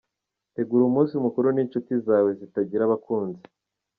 Tegura umunsi mukuru n’inshuti zawe zitagira abakunzi.